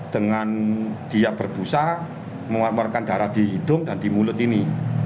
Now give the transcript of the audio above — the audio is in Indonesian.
dengan dia berbusa mengeluarkan darah di hidung dan di mulut ini